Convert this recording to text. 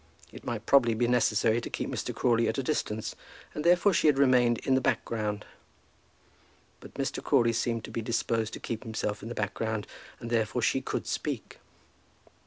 It might probably be necessary to keep Mr. Crawley at a distance, and therefore she had remained in the background. But Mr. Crawley seemed to be disposed to keep himself in the background, and therefore she could speak.